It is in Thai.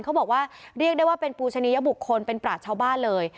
เขาบอกว่าเรียกได้ว่าเป็นปูชนิยบุคคลเป็นปราชชาวบ้านเลย